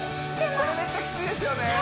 これめっちゃきついですよね